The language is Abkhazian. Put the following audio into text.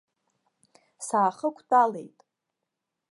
Саахықәтәалеит.